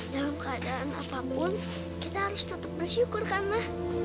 dalam keadaan apapun kita harus tetap bersyukur kan ma